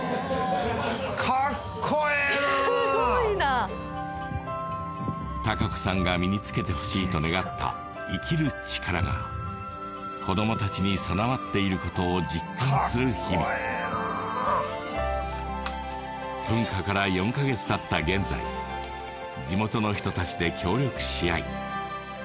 かっこええなすごいな敬子さんが身につけてほしいと願った生きる力が子どもたちに備わっていることを実感する日々噴火から４か月たった現在地元の人たちで協力し合い